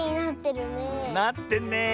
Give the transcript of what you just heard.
なってんねえ。